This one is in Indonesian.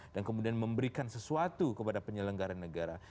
dan kemudian memberikan sesuatu kepada penyelenggara